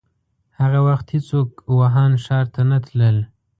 هغه وخت هيڅوک ووهان ښار ته نه تلل.